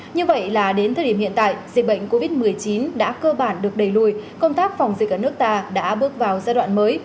như vậy là đến thời điểm hiện tại dịch bệnh covid một mươi chín đã cơ bản được đẩy lùi công tác phòng dịch ở nước ta đã bước vào giai đoạn mới